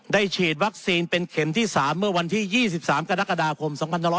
ฉีดวัคซีนเป็นเข็มที่๓เมื่อวันที่๒๓กรกฎาคม๒๕๖๐